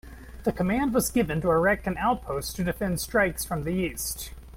The command was given to erect an outpost to defend strikes from the east.